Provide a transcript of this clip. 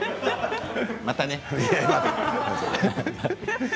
またね。